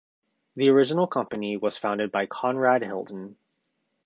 The original company was founded by Conrad Hilton.